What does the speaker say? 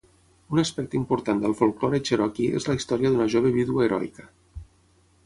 Un aspecte important del folklore cherokee és la història d'una jove vídua heroica.